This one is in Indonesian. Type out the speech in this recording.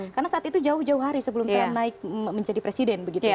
karena saat itu jauh jauh hari sebelum trump naik menjadi presiden